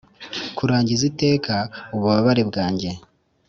kurangiza iteka ububabare bwanjye?